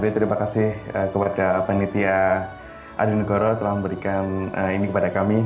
terima kasih kepada panitia adi negoro telah memberikan ini kepada kami